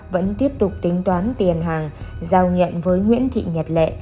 vẫn tiếp tục tính toán tiền hàng giao nhận với nguyễn thị nhật lệ